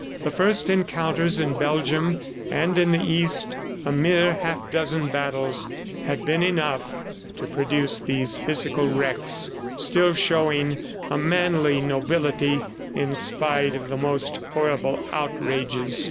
The first encounters in Belgium and in the East, a mere half dozen battles, had been enough to produce these physical wrecks still showing a manly nobility in spite of the most horrible outrages.